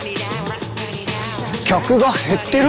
客が減ってる？